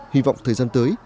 hy vọng thời gian tới